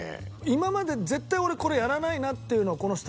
今まで絶対俺これやらないなっていうのをこのスタジオで。